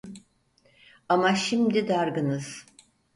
Ama şimdi dargınız…